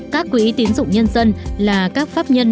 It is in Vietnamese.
các quỹ tiến dụng nhân dân là các pháp nhân